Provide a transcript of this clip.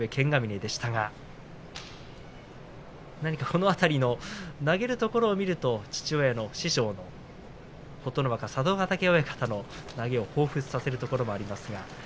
この辺りの投げるところを見ると父親の師匠琴ノ若、佐渡ヶ嶽親方の投げをほうふつとさせるところがあります。